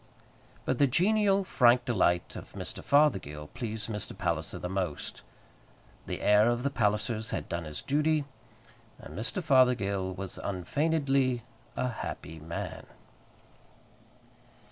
But the genial, frank delight of Mr. Fothergill pleased Mr. Palliser the most. The heir of the Pallisers had done his duty, and Mr. Fothergill was unfeignedly a happy man.